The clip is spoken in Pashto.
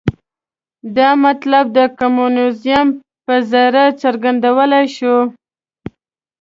دا مطلب د کمونیزم په ذریعه څرګندولای شو.